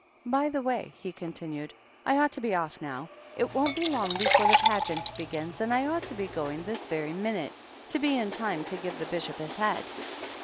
" By the way," he continued, " I ought to be off now. It won't be long before the Pageant begins, and I ought to be going this very minute, to be in time to give the Bishop his head.